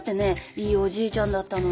いいおじいちゃんだったのに。